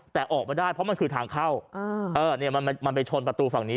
แต่ออกมาได้เพราะมันคือทางเข้ามันไปชนประตูฝั่งนี้